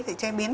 thì chế biến